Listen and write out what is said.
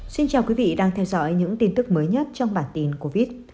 xin chào quý vị đang theo dõi những tin tức mới nhất trong bản tin covid